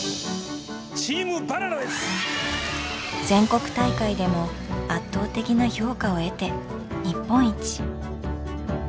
全国大会でも圧倒的な評価を得て日本一。